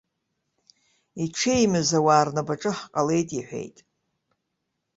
Иҽеимыз ауаа рнапаҿы ҳҟалеит иҳәеит.